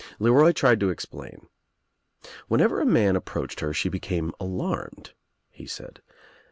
LcRoy tried to explain. "Whenever a man ap proached her she became alarmed," he said.